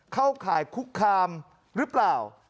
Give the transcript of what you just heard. เข้าข่ายคุกคามหรือเปล่า